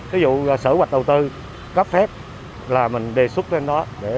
ví dụ sở hoạch đầu tư cấp phép là mình đề xuất lên đó để